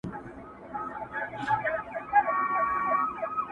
o لڅ د لاري اوړي، وږی د لاري نه اوړي!